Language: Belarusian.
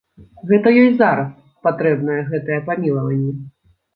Гэта ёй зараз патрэбнае гэтае памілаванне.